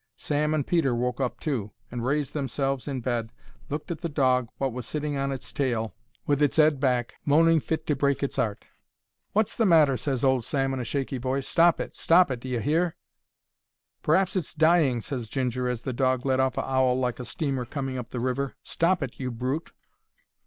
Sam and Peter woke up, too, and, raising themselves in bed, looked at the dog, wot was sitting on its tail, with its 'ead back, moaning fit to break its 'art. "Wot's the matter?" ses old Sam, in a shaky voice. "Stop it! Stop it, d'ye hear!" "P'r'aps it's dying," ses Ginger, as the dog let off a 'owl like a steamer coming up the river. "Stop it, you brute!"